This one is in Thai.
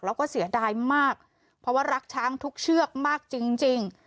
แล้วก็เสียดายมากเพราะว่ารักช้างทุกเชือกมากจริง